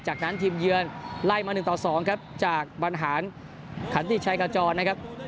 จากนั้นทีมเยือนไล่มาหนึ่งต่อสองครับจากบรรหารขันที่ชัยกาจรนะครับ